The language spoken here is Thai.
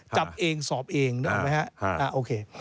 จับเองสอบเองนึกออกไหมฮะโอเค